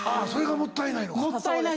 それがもったいないのか。